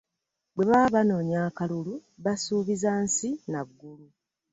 Bwe baba banoonya akalulu basuubiza nsi na ggulu.